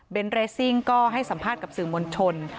เป็นเรสซิ่งก็ให้สัมภาษณ์กับสื่อมวลชน